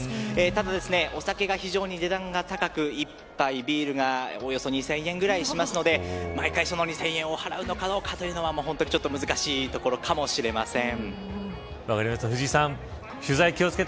ただ、お酒が非常に値段が高く一杯、ビールがおよそ２０００円ぐらいしますので毎回、その２０００円を払うのかどうかというのは本当にちょっと難しいところかもしれません。